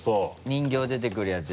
人形出てくるやつ。